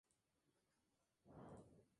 Luego del enfrentamiento Cal es echado de su casa.